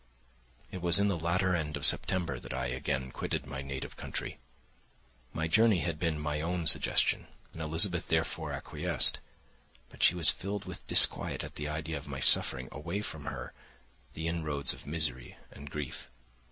It was in the latter end of September that I again quitted my native country. My journey had been my own suggestion, and Elizabeth therefore acquiesced, but she was filled with disquiet at the idea of my suffering, away from her, the inroads of misery and grief.